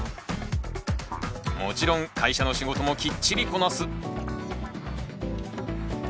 もちろん会社の仕事もきっちりこなす。